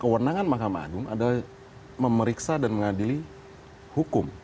kewenangan mahkamah agung adalah memeriksa dan mengadili hukum